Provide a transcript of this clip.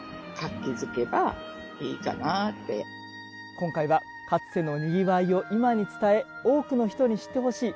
今回はかつてのにぎわいを今に伝え多くの人に知ってほしい。